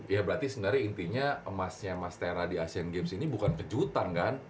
ya berarti sebenernya intinya emasnya mas tera di asian games ini bukan kejutan kan